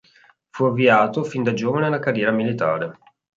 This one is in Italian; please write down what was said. Fu avviato fin da giovane alla carriera militare.